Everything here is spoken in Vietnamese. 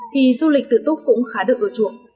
thì du lịch tự túc cũng khá được ưa chuộng